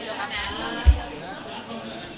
ออกมาเคลียร์เลย